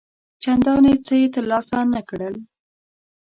چنداني څه یې تر لاسه نه کړل.